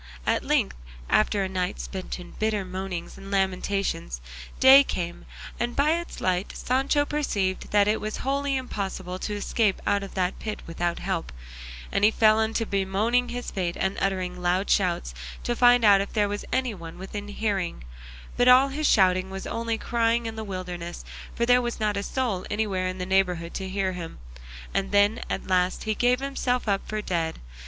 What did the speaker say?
At length, after a night spent in bitter moanings and lamentations, day came, and by its light Sancho perceived that it was wholly impossible to escape out of that pit without help, and he fell to bemoaning his fate and uttering loud shouts to find out if there was anyone within hearing; but all his shouting was only crying in the wilderness, for there was not a soul anywhere in the neighbourhood to hear him, and then at last he gave himself up for dead.